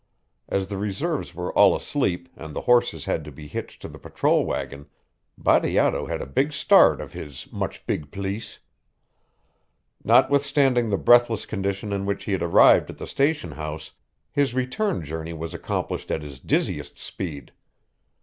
As the reserves were all asleep and the horses had to be hitched to the patrol wagon Bateato had a big start of his big much pleece. Notwithstanding the breathless condition in which he had arrived at the station house, his return journey was accomplished at his dizziest speed.